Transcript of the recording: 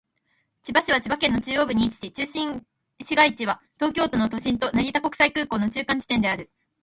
千葉市は千葉県の中央部に位置し、中心市街地は東京都の都心と成田国際空港の中間地点である。